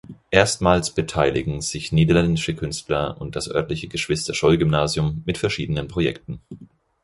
Erstmals beteiligen sich niederländische Künstler und das örtliche Geschwister-Scholl-Gymnasium mit verschiedenen Projekten.